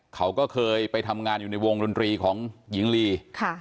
เขาก็เคยไปทำงานอยู่ในวงดนตรีของหญิงลี